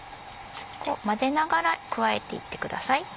混ぜながら加えていってください。